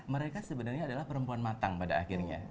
mereka sebenarnya adalah perempuan matang pada akhirnya